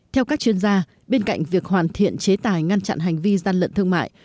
theo các chuyên gia bên cạnh việc hoàn thiện chế tài ngăn chặn hành vi gian lận thương mại